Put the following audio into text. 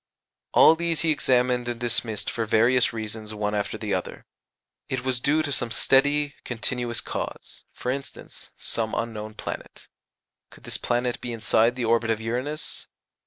All these he examined and dismissed for various reasons one after the other. It was due to some steady continuous cause for instance, some unknown planet. Could this planet be inside the orbit of Uranus?